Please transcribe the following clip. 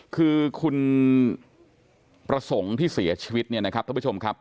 คือคุณประสงค์ที่เสียชีวิตเนี่ยนะครับท่านผู้ชมครับ